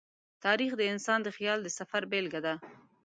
تاریخ د انسان د خیال د سفر بېلګه ده.